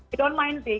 i don't mind sih